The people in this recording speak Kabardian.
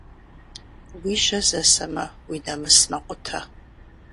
Уи жьэ зэсэмэ, уи нэмыс мэкъутэ.